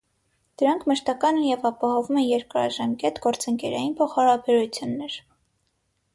Դրանք մշտական են և ապահովում են երկարաժամկետ, գործընկերային փոխհարաբերություններ։